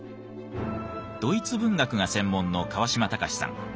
ドイツ文学が専門の川島隆さん。